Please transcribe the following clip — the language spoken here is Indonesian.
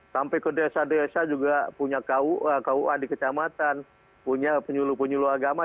sampai ke desa desa juga punya kua di kecamatan punya penyuluh penyuluh agama